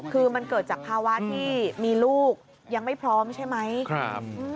คือมันเกิดจากภาวะที่มีลูกยังไม่พร้อมใช่ไหมครับ